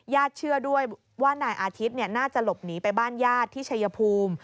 เชื่อด้วยว่านายอาทิตย์น่าจะหลบหนีไปบ้านญาติที่ชัยภูมิ